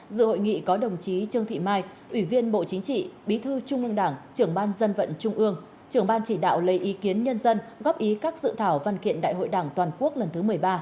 dự hội nghị có đồng chí trương thị mai ủy viên bộ chính trị bí thư trung ương đảng trưởng ban dân vận trung ương trưởng ban chỉ đạo lấy ý kiến nhân dân góp ý các dự thảo văn kiện đại hội đảng toàn quốc lần thứ một mươi ba